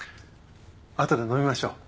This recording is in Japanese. あとで飲みましょう。